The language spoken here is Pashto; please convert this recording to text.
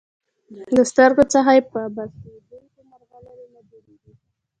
له سترګو څخه یې په عبث تویېدونکو مرغلرو نه جوړیږي.